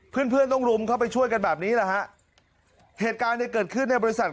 เพื่อนเพื่อนต้องรุมเข้าไปช่วยกันแบบนี้แหละฮะเหตุการณ์เนี่ยเกิดขึ้นในบริษัท